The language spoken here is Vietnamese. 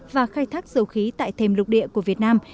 và khai thác dầu khí tại thềm lục địa của việt nam